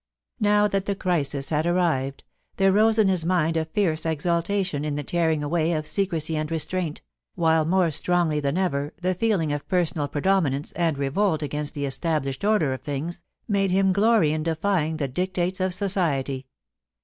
Now that the crisis had arrived, there rose in his mind a fierce exultation in the tearing away of secrecy and restraint, while more strongly than ever the feeling of personal predominance and revolt against the established order of things, made him glory in defying the dictates of society.